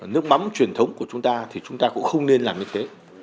nước mắm truyền thống của chúng ta thì chúng ta cũng không nên làm như thế